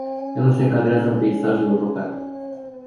El nu se încadrează în peisajul european.